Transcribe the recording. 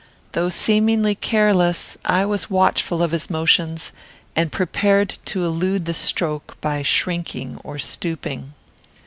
Though seemingly careless, I was watchful of his motions, and prepared to elude the stroke by shrinking or stooping.